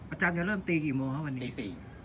อาจารย์จะเริ่มตีกี่โมงครับวันตี๔